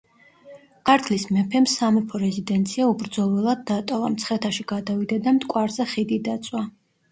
ქართლის მეფემ სამეფო რეზიდენცია უბრძოლველად დატოვა, მცხეთაში გადავიდა და მტკვარზე ხიდი დაწვა.